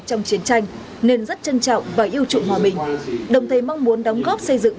trong chiến tranh nên rất trân trọng và yêu trụng hòa bình đồng thời mong muốn đóng góp xây dựng